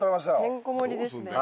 てんこ盛りですね。